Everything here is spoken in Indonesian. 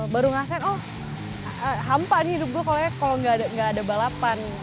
baru ngerasain oh hampa nih hidup gue kalau gak ada balapan